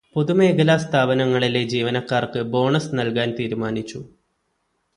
പൊതുമേഖലാ സ്ഥാപനങ്ങളിലെ ജീവനക്കാര്ക്ക് ബോണസ് നൽകാൻ തീരുമാനിച്ചു.